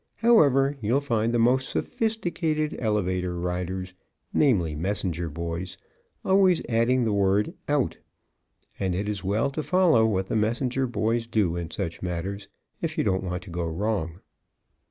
However, you'll find the most sophisticated elevator riders, namely, messenger boys, always adding the word "out," and it is well to follow what the messenger boys do in such matters if you don't want to go wrong.)